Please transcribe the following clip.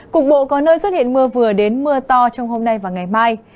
cục bộ có nơi xuất hiện mưa vừa đến mưa to trong hôm nay và ngày mai